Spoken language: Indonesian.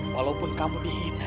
walaupun kamu dihina